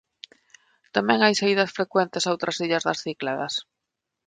Tamén hai saídas frecuentes a outras illas das Cícladas.